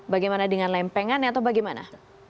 bagaimana dengan lempengan atau bagaimana